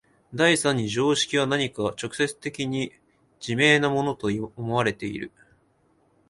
第三に常識は何か直接的に自明なものと思われている。